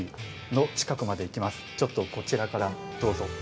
ちょっとこちらからどうぞ。